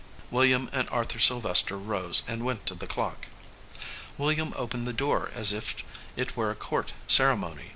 William and Arthur Sylvester rose and went to the clock. William opened the door as if it were a court ceremony.